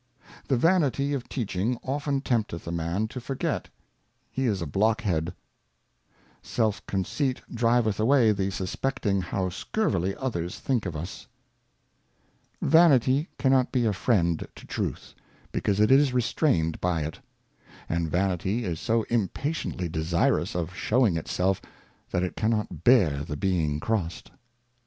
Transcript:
The Vanity of teaching often tempteth a Man to forget he is a Blockhead. Self conceit driveth away the suspecting how scurvily others think of us. Vanity Moral Thoughts and Reflections. 241 Vanity cannot be a Friend to Truth, because it is restrained by it ; and "Vanity is so impatiently desirous of shewing itself, that it cannot bear the being crossed.